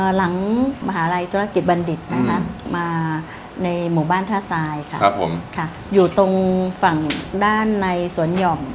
หลังมหาลัยธุรกิจบัณฑิตนะคะมาในหมู่บ้านท่าทรายค่ะอยู่ตรงฝั่งด้านในสวนหย่อม